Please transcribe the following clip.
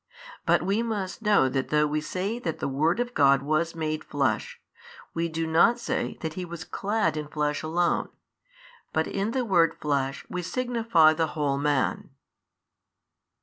But we must know that though we say that the Word of God was made Flesh, we do not say that He was clad in flesh alone, but in the word flesh we signify the whole man.